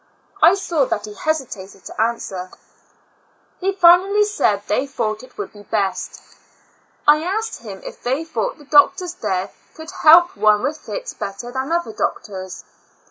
I saw that he hesitated to answer. Ii^ A L UNA TIC ASYL U3L g 9 He finally said they thought it would be best. I asked him if they thought the doc tors there could help one with fits better than other doctors?